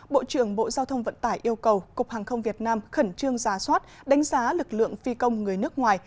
bộ trưởng bộ giao thông vận tải yêu cầu cục hàng không việt nam khẩn trương ra soát đánh giá lực lượng phi công người nước ngoài